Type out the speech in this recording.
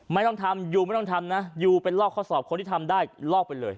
ไม่ต้องทำยูไม่ต้องทำนะยูเป็นลอกข้อสอบคนที่ทำได้ลอกไปเลย